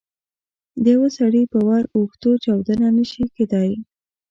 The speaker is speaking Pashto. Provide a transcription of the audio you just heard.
د یوه سړي په ور اوښتو چاودنه نه شي کېدای.